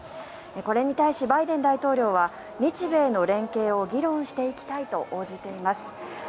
これに対し、バイデン大統領は日米の連携を議論していきたいと応じています。